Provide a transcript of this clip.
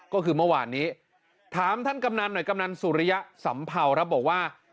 ก็คือเมื่อวานนี้ถามท่านกำนันหน่อยกำนันสุริยะสำเภาครับบอกว่า